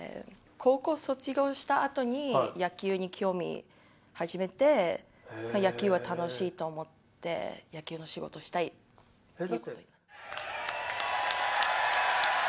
高校卒業したあとに、野球に興味始めて、野球は楽しいと思って、野球の仕事したいって。